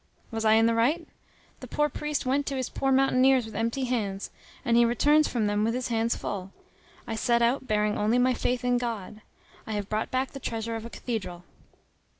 was I in the right? The poor priest went to his poor mountaineers with empty hands, and he returns from them with his hands full. I set out bearing only my faith in God; I have brought back the treasure of a cathedral."